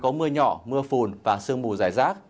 có mưa nhỏ mưa phùn và sương mù dài rác